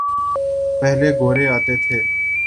پہلے گورے آتے تھے۔